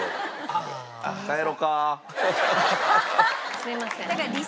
すいません。